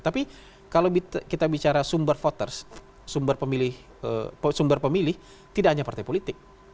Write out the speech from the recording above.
tapi kalau kita bicara sumber voters sumber pemilih tidak hanya partai politik